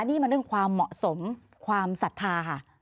นี่มันเรื่องความเหมาะสมความศรัทธาค่ะ